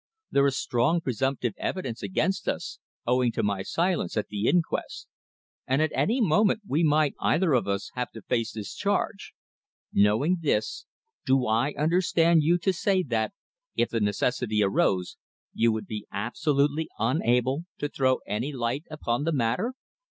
There is strong presumptive evidence against us, owing to my silence at the inquest, and at any moment we might either of us have to face this charge. Knowing this, do I understand you to say that, if the necessity arose, you would be absolutely unable to throw any light upon the matter?"